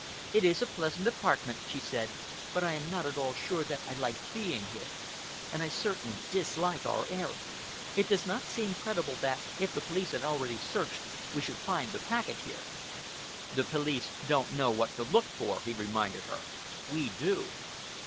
"It is a pleasant apartment," she said, "but I am not at all sure that I like being here, and I certainly dislike our errand. It does not seem credible that, if the police have already searched, we should find the packet here." "The police don't know what to look for," he reminded her. "We do."